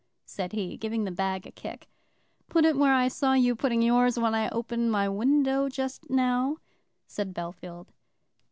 said he, giving the bag a kick. "Put it where I saw you putting yours when I opened my window just now," said Bellfield.